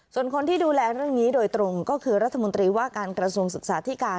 ส่วนคนที่ดูแลเรื่องนี้โดยตรงก็คือรัฐมนตรีว่าการกระทรวงศึกษาธิการ